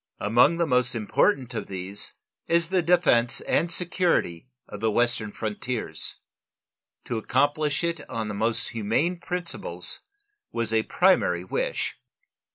Among the most important of these is the defense and security of the western frontiers. To accomplish it on the most humane principles was a primary wish.